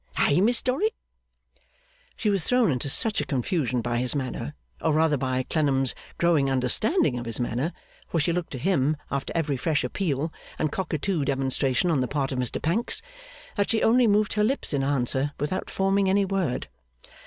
Eh, Miss Dorrit?' She was thrown into such a confusion by his manner, or rather by Clennam's growing understanding of his manner (for she looked to him after every fresh appeal and cockatoo demonstration on the part of Mr Pancks), that she only moved her lips in answer, without forming any word.